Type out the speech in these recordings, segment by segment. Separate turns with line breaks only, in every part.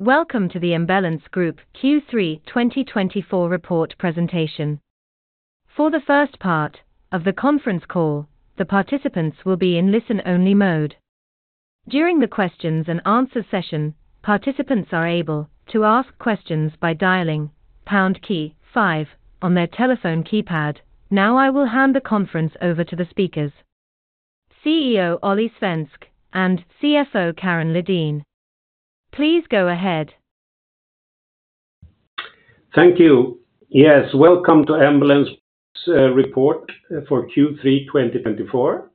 Welcome to the Embellence Group Q3 2024 report presentation. For the first part of the conference call, the participants will be in listen-only mode. During the questions and answer session, participants are able to ask questions by dialing pound key five on their telephone keypad. Now, I will hand the conference over to the speakers, CEO Olle Svensk, and CFO Karin Lideen. Please go ahead.
Thank you. Yes, welcome to Embellence report for Q3 2024.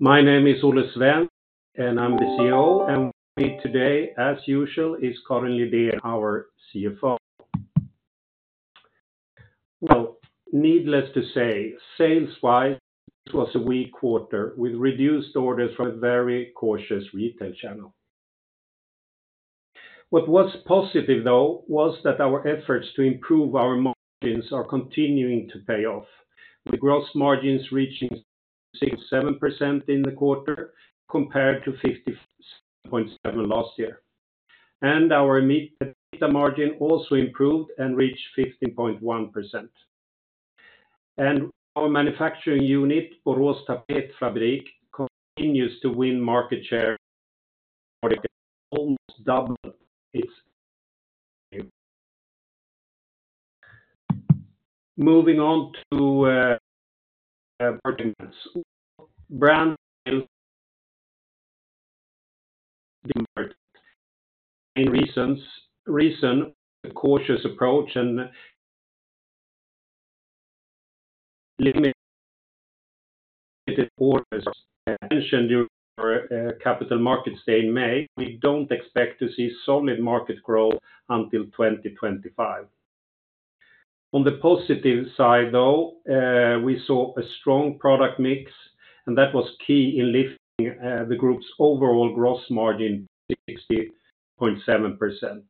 My name is Olle Svensk, and I'm the CEO, and with me today, as usual, is Karin Lidén, our CFO. Needless to say, sales-wise, this was a weak quarter, with reduced orders from a very cautious retail channel. What was positive, though, was that our efforts to improve our margins are continuing to pay off, with gross margins reaching 67% in the quarter, compared to 57.7% last year. Our EBITDA margin also improved and reached 15.1%. Our manufacturing unit, Borås Tapetfabrik, continues to win market share, almost double its. Moving on to brand reasons. Cautious approach and limited orders mentioned during our Capital Markets Day in May. We don't expect to see solid market growth until 2025. On the positive side, though, we saw a strong product mix, and that was key in lifting the group's overall gross margin to 60.7%.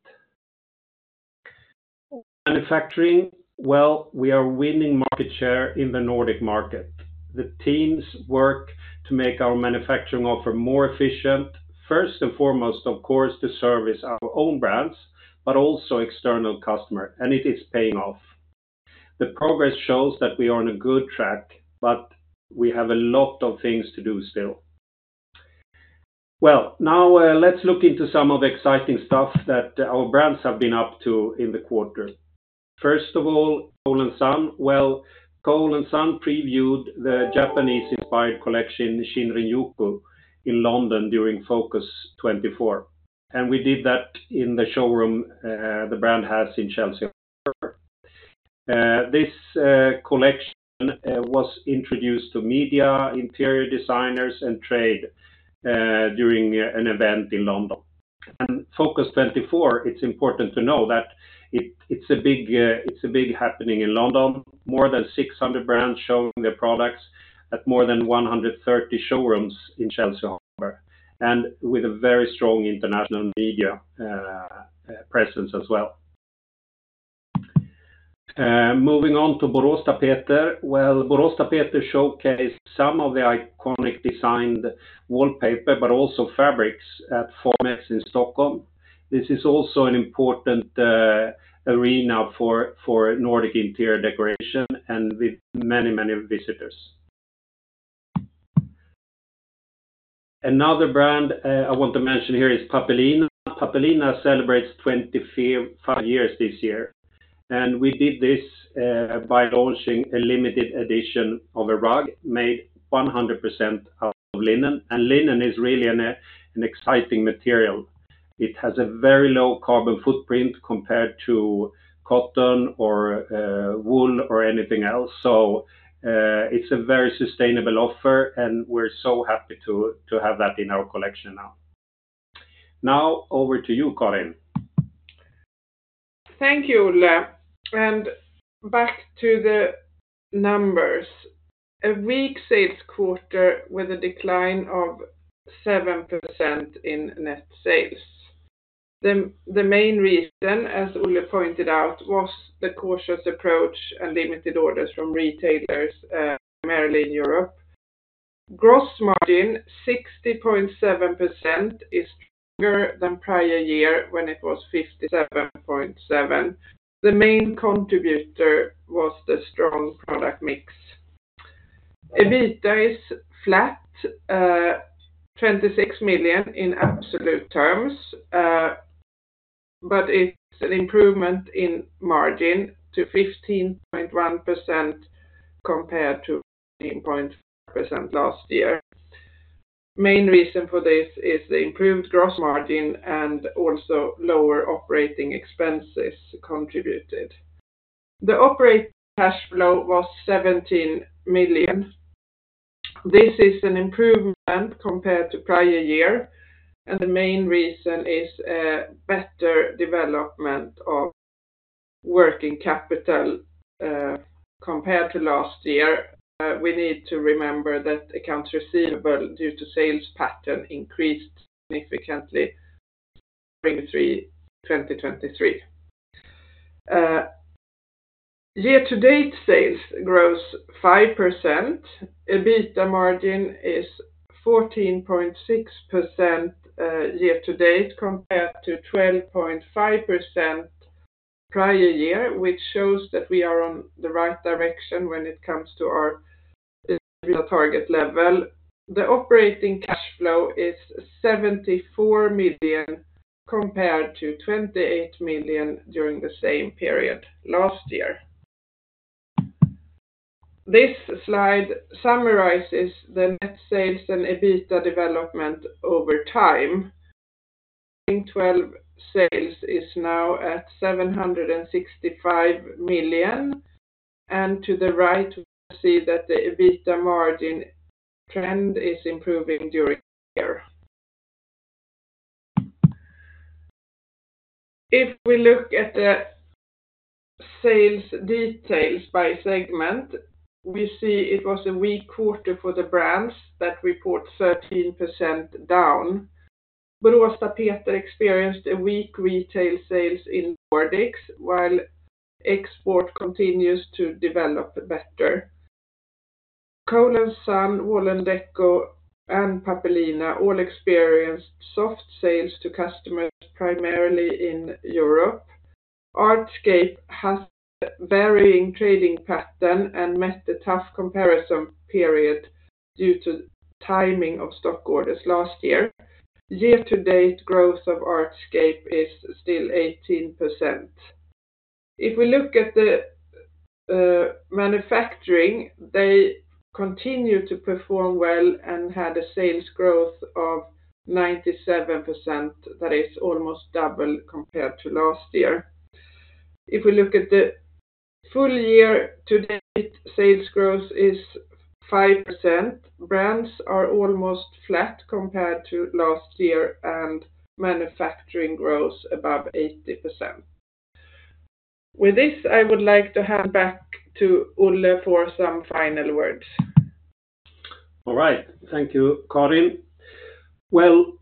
Manufacturing, well, we are winning market share in the Nordic market. The teams work to make our manufacturing offer more efficient, first and foremost, of course, to service our own brands, but also external customer, and it is paying off. The progress shows that we are on a good track, but we have a lot of things to do still. Well, now, let's look into some of the exciting stuff that our brands have been up to in the quarter. First of all, Cole & Son. Well, Cole & Son previewed the Japanese-inspired collection, Shinrin-Yoku, in London during FOCUS/24, and we did that in the showroom the brand has in Chelsea Harbour. This collection was introduced to media, interior designers, and trade during an event in London. FOCUS/24. It's important to know that it is a big happening in London. More than six hundred brands showing their products at more than one hundred and thirty showrooms in Chelsea Harbour, and with a very strong international media presence as well. Moving on to Borås Tapeter. Borås Tapeter showcased some of the iconic designed wallpaper, but also fabrics at Formex in Stockholm. This is also an important arena for Nordic interior decoration and with many, many visitors. Another brand I want to mention here is Pappelina. Pappelina celebrates twenty-five years this year, and we did this by launching a limited edition of a rug made 100% out of linen, and linen is really an exciting material. It has a very low carbon footprint compared to cotton, or wool, or anything else. So it's a very sustainable offer, and we're so happy to have that in our collection now. Now, over to you, Karin.
Thank you, Olle. Back to the numbers. A weak sales quarter with a decline of 7% in net sales. The main reason, as Olle pointed out, was the cautious approach and limited orders from retailers, primarily in Europe. Gross margin, 60.7%, is stronger than prior year, when it was 57.7%. The main contributor was the strong product mix. EBITDA is flat, 26 million in absolute terms, but it's an improvement in margin to 15.1% compared to 13.5% last year. Main reason for this is the improved gross margin and also lower operating expenses contributed. The operating cash flow was 17 million. This is an improvement compared to prior year, and the main reason is a better development of working capital, compared to last year. We need to remember that accounts receivable due to sales pattern increased significantly during 2023. Year to date sales grows 5%, EBITDA margin is 14.6%, year to date, compared to 12.5% prior year, which shows that we are on the right direction when it comes to our target level. The operating cash flow is 74 million, compared to 28 million during the same period last year. This slide summarizes the net sales and EBITDA development over time. LTM sales is now at 765 million, and to the right, we see that the EBITDA margin trend is improving during the year. If we look at the sales details by segment, we see it was a weak quarter for the brands that report 13% down. But also, Borås Tapeter experienced weak retail sales in Nordics, while export continues to develop better. Cole & Son, Wall&decò, and Pappelina all experienced soft sales to customers, primarily in Europe. Artscape has varying trading pattern and met a tough comparison period due to timing of stock orders last year. Year to date, growth of Artscape is still 18%. If we look at the manufacturing, they continue to perform well and had a sales growth of 97%. That is almost double compared to last year. If we look at the full year to date, sales growth is 5%. Brands are almost flat compared to last year, and manufacturing grows above 80%. With this, I would like to hand back to Olle for some final words.
All right. Thank you, Karin. Well,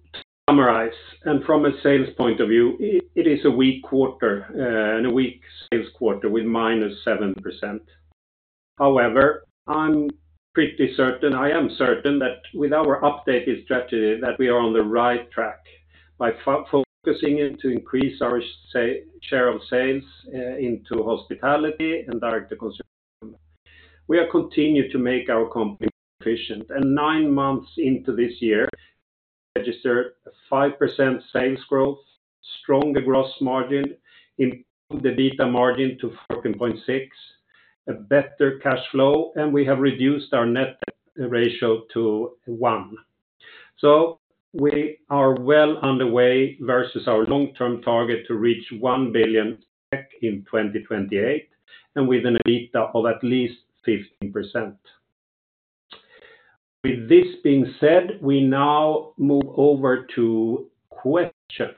to summarize, and from a sales point of view, it is a weak quarter, and a weak sales quarter with -7%. However, I'm pretty certain, I am certain that with our updated strategy, that we are on the right track by focusing in to increase our share of sales into hospitality and direct to consumer. We are continued to make our company efficient, and nine months into this year, register a 5% sales growth, stronger gross margin, improve the EBITDA margin to 14.6, a better cash flow, and we have reduced our net ratio to one. So we are well underway versus our long-term target to reach one billion in 2028, and with an EBITDA of at least 15%. With this being said, we now move over to questions.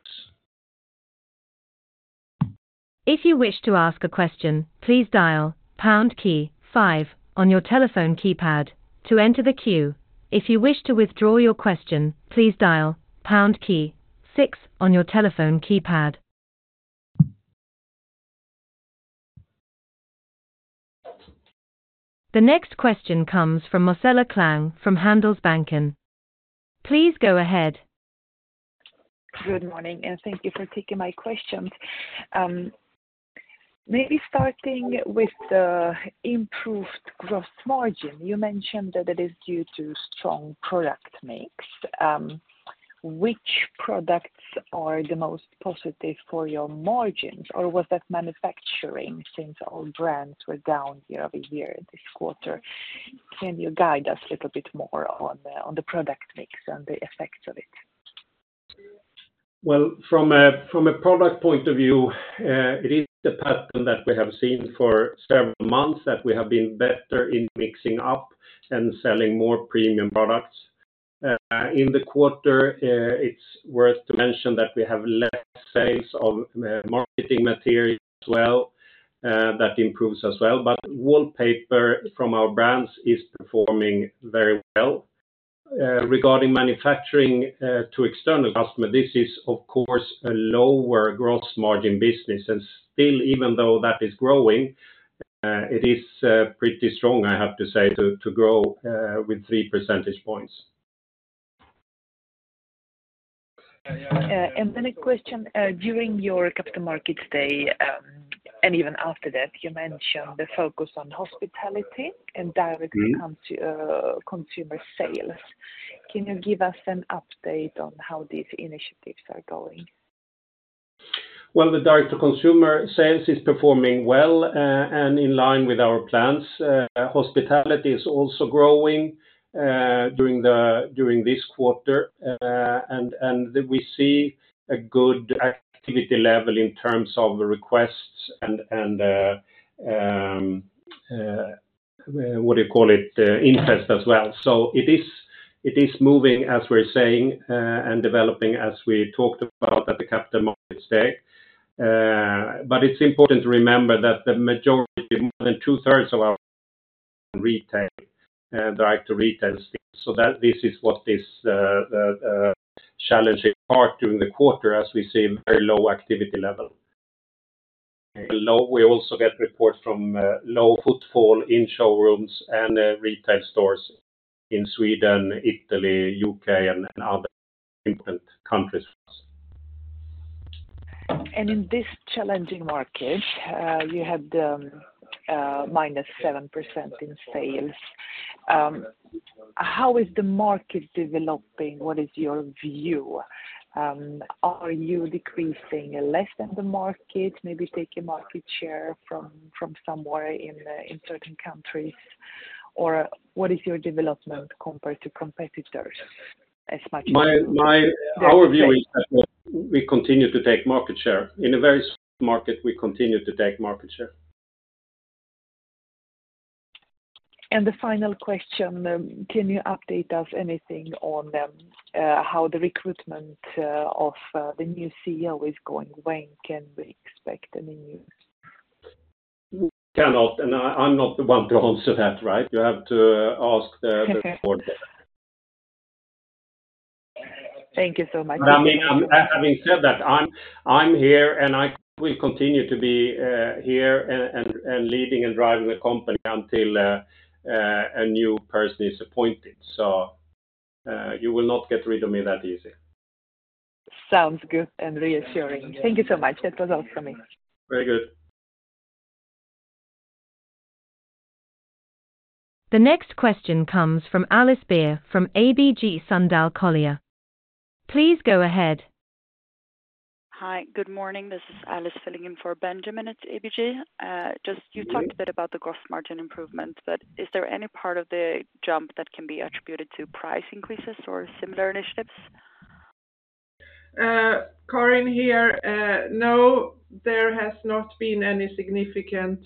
If you wish to ask a question, please dial pound key five on your telephone keypad to enter the queue. If you wish to withdraw your question, please dial pound key six on your telephone keypad. The next question comes from Marcela Klang from Handelsbanken. Please go ahead.
Good morning, and thank you for taking my questions. Maybe starting with the improved gross margin, you mentioned that it is due to strong product mix. Which products are the most positive for your margins, or was that manufacturing since all brands were down year-over-year this quarter? Can you guide us a little bit more on the product mix and the effects of it?
Well, from a product point of view, it is the pattern that we have seen for several months that we have been better in mixing up and selling more premium products. In the quarter, it's worth to mention that we have less sales of marketing materials as well, that improves as well. But wallpaper from our brands is performing very well. Regarding manufacturing to external customer, this is, of course, a lower gross margin business, and still, even though that is growing, it is pretty strong, I have to say, to grow with three percentage points.
And then a question: during your Capital Markets Day, and even after that, you mentioned the focus on hospitality and direct.
Mm-hmm.
Consumer sales. Can you give us an update on how these initiatives are going?
The direct to consumer sales is performing well, and in line with our plans. Hospitality is also growing during this quarter, and we see a good activity level in terms of requests and interest as well. It is moving, as we're saying, and developing as we talked about at the Capital Markets Day. But it's important to remember that the majority, more than two-thirds of our retail and direct to retail space. That this is what is challenging part during the quarter, as we see a very low activity level. We also get reports from low footfall in showrooms and retail stores in Sweden, Italy, U.K., and other important countries.
In this challenging market, you had -7% in sales. How is the market developing? What is your view? Are you decreasing less than the market, maybe take a market share from somewhere in certain countries? Or what is your development compared to competitors as much as you can?
Our view is that we continue to take market share. In a very small market, we continue to take market share.
The final question, can you update us anything on them, how the recruitment of the new CEO is going? When can we expect any news?
I'm not the one to answer that, right? You have to ask the board.
Thank you so much.
But, I mean, having said that, I'm here, and I will continue to be here, and leading and driving the company until a new person is appointed. So, you will not get rid of me that easy.
Sounds good and reassuring. Thank you so much. That was all for me.
Very good.
The next question comes from Alice Beer from ABG Sundal Collier. Please go ahead.
Hi, good morning. This is Alice filling in for Benjamin at ABG. Just you talked a bit about the gross margin improvements, but is there any part of the jump that can be attributed to price increases or similar initiatives?
Karin here. No, there has not been any significant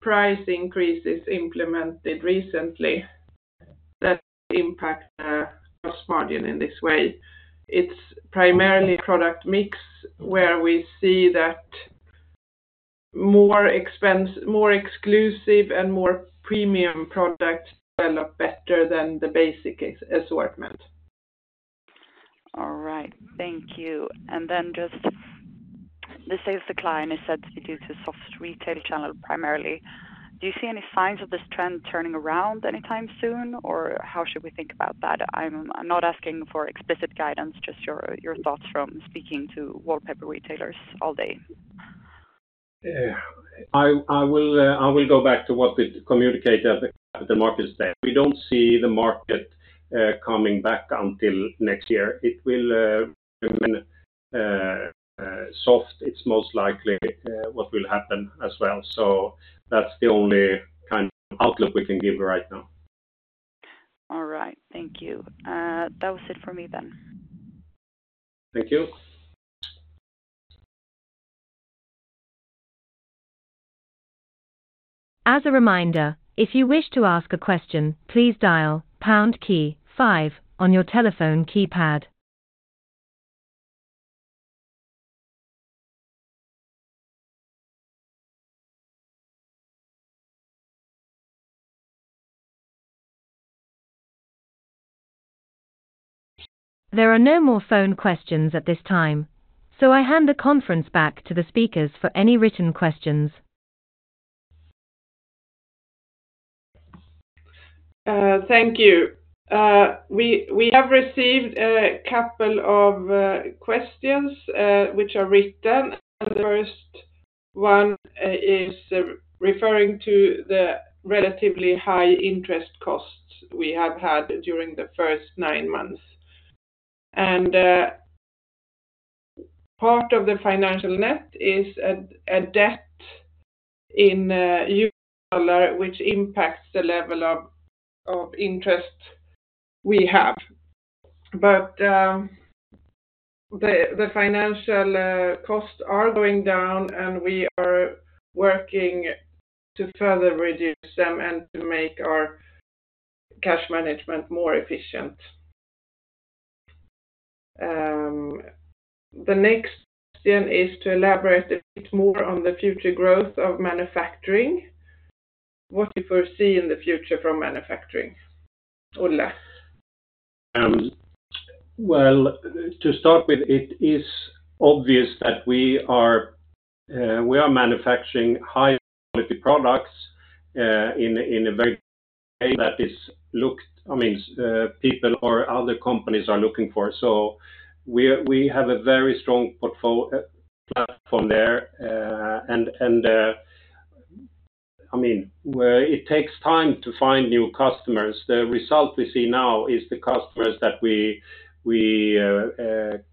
price increases implemented recently that impact gross margin in this way. It's primarily product mix, where we see that more exclusive and more premium products sell up better than the basic assortment.
All right, thank you. And then just the sales decline is said to be due to soft retail channel primarily. Do you see any signs of this trend turning around anytime soon, or how should we think about that? I'm not asking for explicit guidance, just your thoughts from speaking to wallpaper retailers all day.
Yeah. I will go back to what we communicated at the Capital Markets Day. We don't see the market coming back until next year. It will soft. It's most likely what will happen as well. So that's the only kind of outlook we can give right now.
All right. Thank you. That was it for me then.
Thank you.
As a reminder, if you wish to ask a question, please dial pound key five on your telephone keypad. There are no more phone questions at this time, so I hand the conference back to the speakers for any written questions.
Thank you. We have received a couple of questions, which are written, and the first one is referring to the relatively high interest costs we have had during the first nine months, and part of the financial net is a debt in U.S. dollar, which impacts the level of interest we have, but the financial costs are going down, and we are working to further reduce them and to make our cash management more efficient. The next question is to elaborate a bit more on the future growth of manufacturing. What do you foresee in the future from manufacturing? Olle.
To start with, it is obvious that we are manufacturing high quality products in a very way that people or other companies are looking for. So we have a very strong platform there. And I mean, well, it takes time to find new customers. The result we see now is the customers that we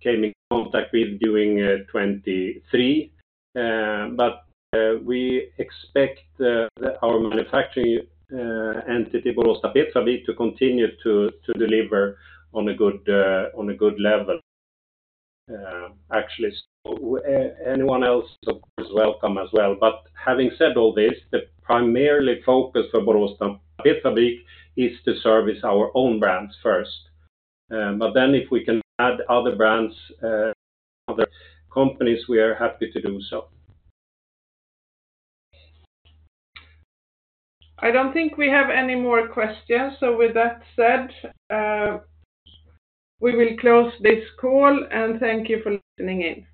came in contact with during 2023. But we expect our manufacturing entity, Borås Tapetfabrik, to continue to deliver on a good level, actually. So anyone else, of course, welcome as well. But having said all this, the primary focus for Borås Tapetfabrik is to service our own brands first. But then if we can add other brands, other companies, we are happy to do so.
I don't think we have any more questions. So with that said, we will close this call, and thank you for listening in.